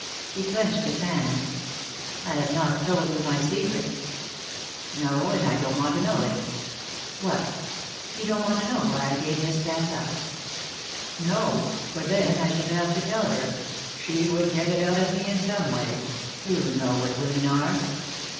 He clenched his hands. "I have not told you my secret." "No and I don't want to know it." "What! You don't want to know why I gave Miss Cass up?" "No; for then I should have to tell her she would get it out of me in some way. You know what women are."